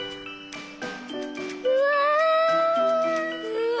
うわ！